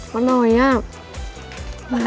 ปลาหน่อยท่า